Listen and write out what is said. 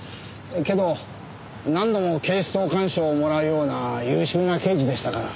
けど何度も警視総監賞をもらうような優秀な刑事でしたから。